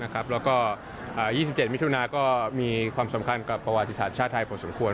แล้วก็๒๗มิถุนาก็มีความสำคัญกับประวัติศาสตร์ชาติไทยพอสมควร